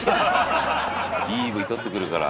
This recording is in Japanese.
「いいＶ撮ってくるから」